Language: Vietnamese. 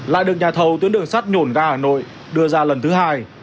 lại được nhà thầu tuyến đường sắt nhổn ga hà nội đưa ra lần thứ hai